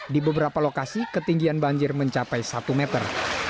di beberapa lokasi ketinggian banjir mencapai satu meter